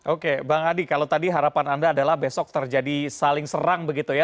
oke bang adi kalau tadi harapan anda adalah besok terjadi saling serang begitu ya